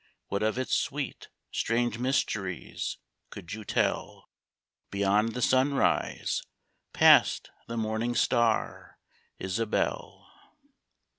What of its sweet, strange mysteries could you teU ? Beyond the sunrise, past the morning star, — Isabelle !